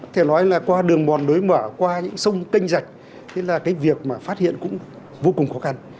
thế nói là qua đường bòn đối mở qua những sông canh dạch thế là cái việc mà phát hiện cũng vô cùng khó khăn